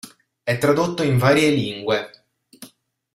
È tradotto in varie lingue.